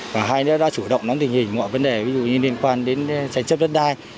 và hai nữa đã chủ động nắm tình hình mọi vấn đề ví dụ như liên quan đến tranh chấp đất đai